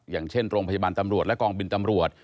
อย่างเช่นโรงพยาบาลตำรวจและกองบินตำรวจ